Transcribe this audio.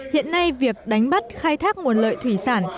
hiện nay việc đánh bắt khai thác nguồn lợi thủy sản